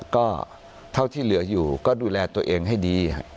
ก็เท่าที่เหลืออยู่ก็ดูแลตัวเองให้ดี